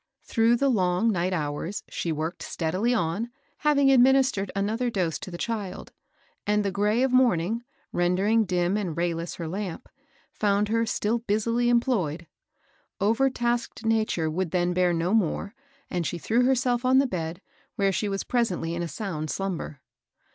Through the long night hours she worked stead ily on, having administered another dose to the child, and the gray of morning, rendering dim and rayless her lamp, found her still busily employed. Overtasked nature would then bear no more, and she threw herself on the bed, where she was pres ently in a sound slumber.